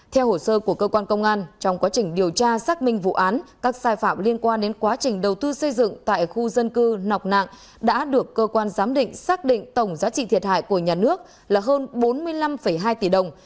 theo hồ sơ của cơ quan công an trong quá trình điều tra xác minh vụ án các sai phạm liên quan đến quá trình đầu tư xây dựng tại khu dân cư nọc nạng đã được cơ quan giám định xác định tổng giá trị thiệt hại của nhà nước là hơn bốn mươi năm hai tỷ đồng